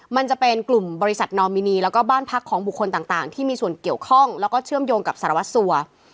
มันจะเป็นกลุ่มบริษัทนอมินีแล้วก็บ้านพักของบุคคลต่างที่มีส่วนเกี่ยวข้องแล้วก็เชื่อมโยงกับสารวัสสัว